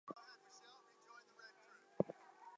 Red Cross hospital ships must be avoided.